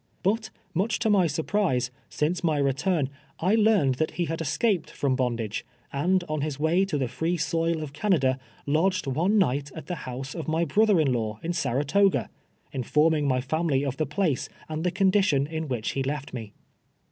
But, much to my surprise, since my return, I learned that he had escaped from bondage, and on his way to the free soil of Canada, lodged one night at the house of my brother in law in Saratoga, informing my family of the place and tlie condition in which he left me.